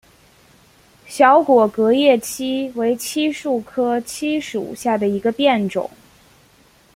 小果革叶槭为槭树科槭属下的一个变种。